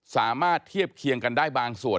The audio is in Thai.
สามารถเทียบเคียงกันได้บางส่วน